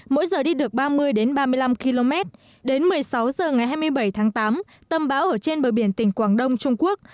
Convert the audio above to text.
mỗi giờ đi được ba mươi ba mươi năm km đến một mươi sáu h ngày hai mươi bảy tháng tám tâm bão ở trên bờ biển tỉnh quảng đông trung quốc